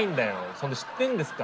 そんで知ってんですか？